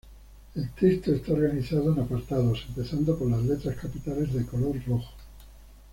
El texto está organizado en apartados, empezando por las letras capitales de color rojo.